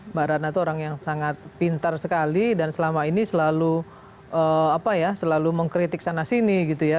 mbak ratna itu orang yang sangat pintar sekali dan selama ini selalu mengkritik sana sini gitu ya